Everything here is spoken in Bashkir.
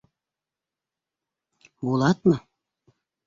Булатмы?